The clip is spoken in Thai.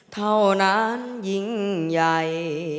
เท่านั้นยิ่งใหญ่